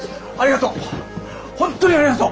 ありがとう！